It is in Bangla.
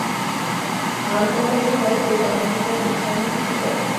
আর তোমরা সবাই এই তামাশাকে উৎসাহ দিচ্ছো?